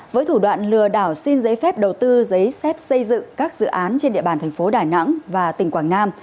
với thủ đoạn lừa đảo xin giấy phép đầu tư giấy phép xây dựng các dự án trên địa bàn thành phố đà nẵng và tỉnh quảng nam